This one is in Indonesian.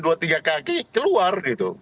dua tiga kaki keluar gitu